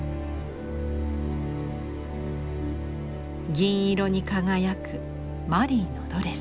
銀色に輝くマリーのドレス。